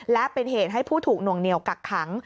และเป็นเหตุให้ผู้ถูกหน่วงเหนียวกักขัง